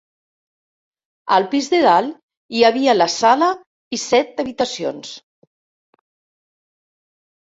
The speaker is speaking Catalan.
Al pis de dalt hi havia la sala i set habitacions.